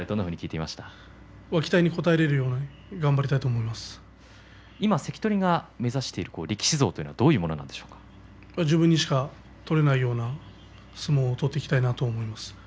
期待に応えられるように関取が目指している力士像は自分にしか取れないような相撲を取っていきたいと思っています。